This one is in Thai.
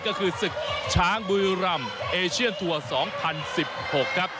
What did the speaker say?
ก็คือศึกช้างบุยรัมเอเชียนทัวร์๒๐๑๖